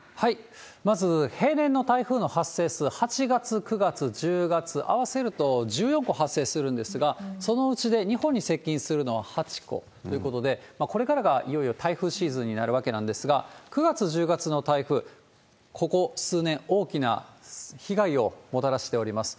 まず平年の台風の発生数、８月、９月、１０月、合わせると１４個発生するんですが、そのうちで日本に接近するのは８個ということで、これからがいよいよ台風シーズンになるわけなんですが、９月、１０月の台風、ここ数年、大きな被害をもたらしております。